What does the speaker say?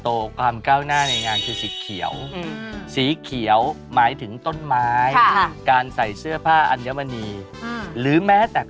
โอ้แต่เกียรติว่ามันสี่คนทั้งโต๊ะนี่แหละ